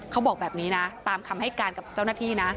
เขาบอกแบบนี้นะตามคำให้การกับเจ้าหน้าที่นะ